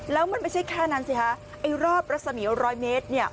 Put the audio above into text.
แล้วมันไม่ใช่แค่นั้นสิคะไอ้รอบรัศมีร้อยเมตรเนี่ย